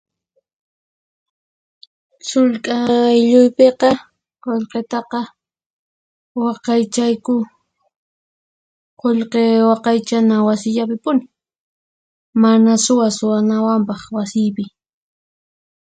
Sullk'a aylluypiqa qullqitaqa waqaychayku Qullqi Waqaychana wasillapipuni, mana suwa suwanawanpaq wasiypi.